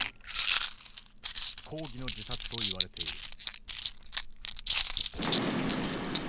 抗議の自殺といわれている。